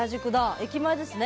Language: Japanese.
駅前ですね。